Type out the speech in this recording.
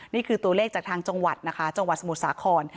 นี่คือตัวเลขจากทางจังหวัดนะคะจังหวัดสมุทรสาคร